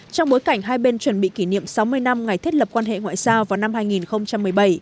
trong bối cảnh hai bên chuẩn bị kỷ niệm sáu mươi năm ngày thiết lập quan hệ ngoại giao vào năm hai nghìn một mươi bảy